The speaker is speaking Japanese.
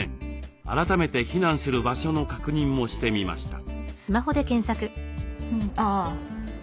改めて避難する場所の確認もしてみました。